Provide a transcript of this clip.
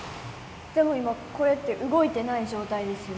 でも今これって動いてない状態ですよね。